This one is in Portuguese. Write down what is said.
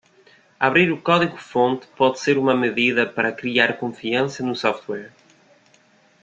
Abrir o código-fonte pode ser uma medida para criar confiança no software.